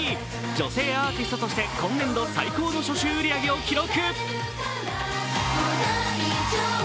女性アーティストとして今年度最高の初週売り上げを記録。